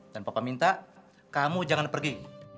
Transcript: dan papa minta kamu jangan pergi